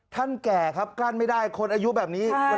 แก่ครับกลั้นไม่ได้คนอายุแบบนี้